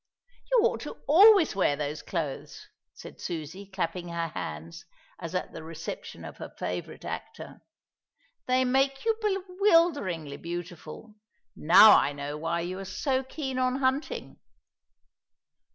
"You ought always to wear those clothes," said Susie, clapping her hands, as at the reception of a favourite actor. "They make you bewilderingly beautiful. Now I know why you are so keen on hunting."